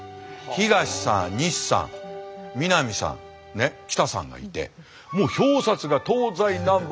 東さん西さん南さん北さんがいてもう表札が東西南北